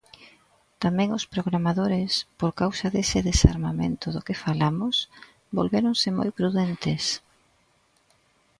Tamén os programadores, por causa dese desarmamento do que falamos, volvéronse moi prudentes.